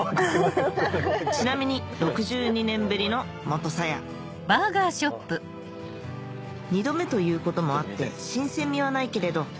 ちなみに６２年ぶりの元サヤ２度目ということもあって新鮮味はないけれど